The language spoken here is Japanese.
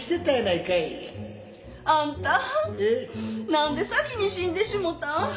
何で先に死んでしもうたん？